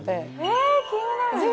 え、気になる。